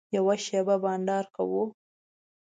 یوه شېبه بنډار کوو.